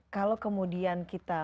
kalau kemudian kita